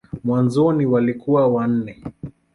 Mwanzoni walikuwa wanne.